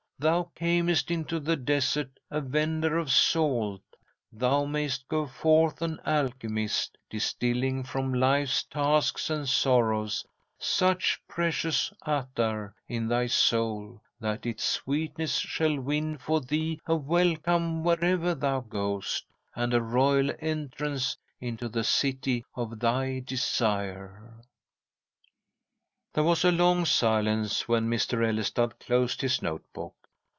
Thou camest into the desert a vender of salt, thou mayst go forth an Alchemist, distilling from Life's tasks and sorrows such precious attar in thy soul that its sweetness shall win for thee a welcome wherever thou goest, and a royal entrance into the City of thy Desire!_" There was a long silence when Mr. Ellestad closed his note book.